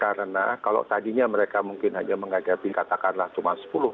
karena kalau tadinya mereka mungkin hanya menghadapi katakanlah cuma penularan